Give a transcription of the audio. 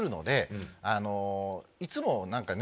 いつも。